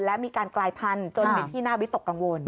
และมีการกลายพันธุ์จนเป็นที่น่าวิตกกังวล